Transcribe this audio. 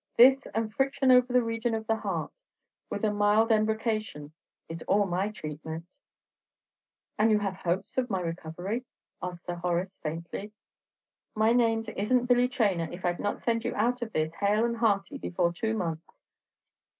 This, and friction over the region of the heart, with a mild embrocation, is all my tratement!" "And you have hopes of my recovery?" asked Sir Horace, faintly. "My name isn't Billy Traynor if I'd not send you out of this hale and hearty before two months.